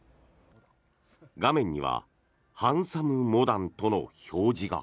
画面にはハンサムモダンとの表示が。